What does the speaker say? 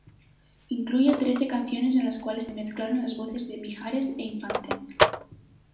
Incluye trece canciones en las cuales se mezclaron las voces de Mijares e Infante.